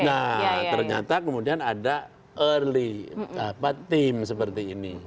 nah ternyata kemudian ada early apa tim seperti ini